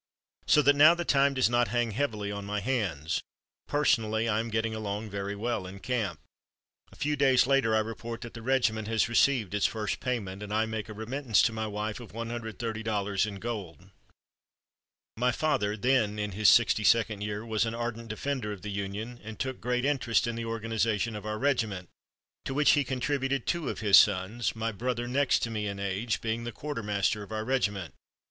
So that now the time does not hang heavily on my hands. Personally I am getting along very well in camp." A few days later I report that the regiment has received its first payment, and I make a remittance to my wife of $130 in gold. My father, then in his sixty second year, was an ardent defender of the Union, and took great interest in the organization of our regiment, to which he contributed two of his sons, my brother, next to me in age, being the quartermaster of our regiment.